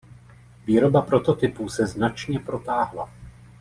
Výroba prototypů se značně protáhla.